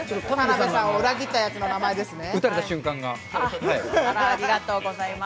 田辺さんが裏切ったやつの名前ですね。